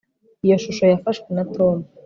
iyo shusho yafashwe na tom